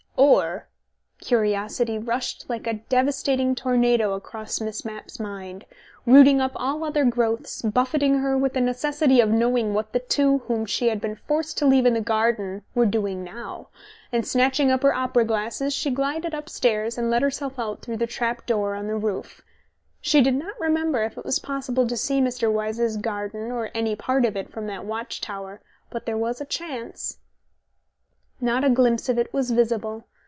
Or Curiosity rushed like a devastating tornado across Miss Mapp's mind, rooting up all other growths, buffeting her with the necessity of knowing what the two whom she had been forced to leave in the garden were doing now, and snatching up her opera glasses she glided upstairs, and let herself out through the trap door on to the roof. She did not remember if it was possible to see Mr. Wyse's garden or any part of it from that watch tower, but there was a chance. ... Not a glimpse of it was visible.